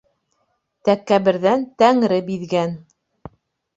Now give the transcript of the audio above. Тәкәбберҙән Тәңре биҙгән.